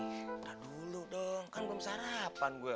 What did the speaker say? nah dulu dong kan belum sarapan gue